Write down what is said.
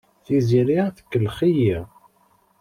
Tiziri tkellex-iyi.